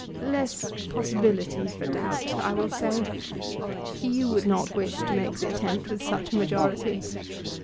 "Less possibility for doubt, I will say. You would not wish to make the attempt with such a majority?"